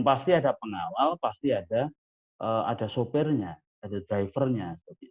pasti ada pengawal pasti ada sopirnya ada drivernya